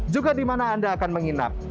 juga di mana anda akan menginap